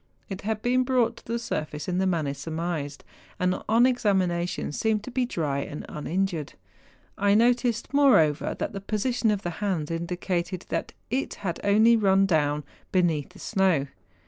It had been brought to the surface in the manner surmised, and on examination seemed to be dry and uninjured. I noticed, moreover, tliat the position of the hands indicated that it had only run down beneath the snow.